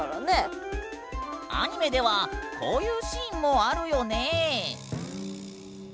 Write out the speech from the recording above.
アニメではこういうシーンもあるよねえ。